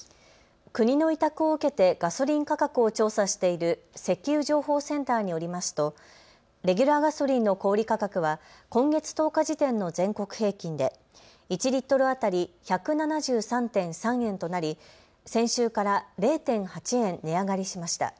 国の委託を受けてガソリン価格を調査している石油情報センターによりますとレギュラーガソリンの小売価格は今月１０日時点の全国平均で１リットル当たり１７３．３円となり先週から０．８円値上がりしました。